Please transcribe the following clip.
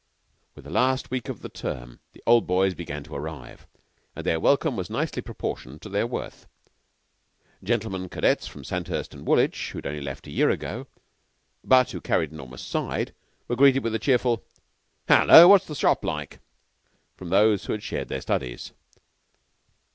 With the last week of the term the Old Boys began to arrive, and their welcome was nicely proportioned to their worth. Gentlemen cadets from Sandhurst and Woolwich, who had only left a year ago, but who carried enormous side, were greeted with a cheerful "Hullo! What's the Shop like?" from those who had shared their studies.